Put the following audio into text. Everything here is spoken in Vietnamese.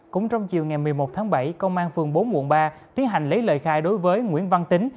cũng trong chiều ngày một mươi một tháng bảy công an phường bốn quận ba tiến hành lấy lời khai đối với nguyễn văn tính